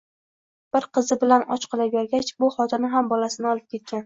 Bir qizi bilan och qolavergach, bu xotini ham bolasini olib ketgan